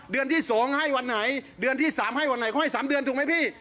เดือนที่๒ให้วันไหนเดือนที่๓ให้วันไหนเขาให้๓เดือนถูกไหมพี่